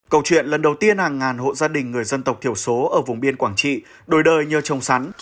câu chuyện lần đầu tiên hàng ngàn hộ gia đình người dân tộc thiểu số ở vùng biên quảng trị đổi đời như trồng sắn